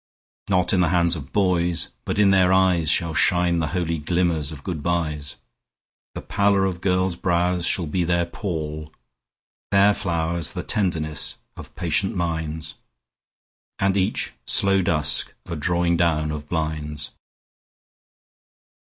Not in the hands of boys, but in their eyes Shall shine the holy glimmers of good byes. The pallor of girls' brows shall be their pall; Their flowers the tenderness of patient minds, And each slow dusk a drawing down of blinds.